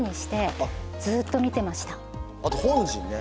あと『本陣』ね。